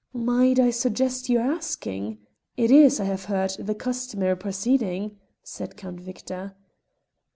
"Might I suggest your asking? It is, I have heard, the customary proceeding," said Count Victor.